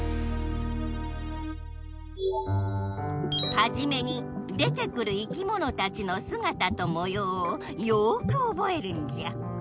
はじめに出てくるいきものたちのすがたともようをよくおぼえるんじゃ。